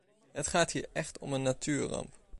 Het gaat hier echt om een natuurramp.